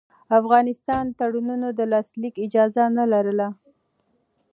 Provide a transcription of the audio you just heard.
افغانستان د تړونونو د لاسلیک اجازه نه لرله.